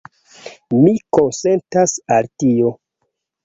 Mi konsentas al tio.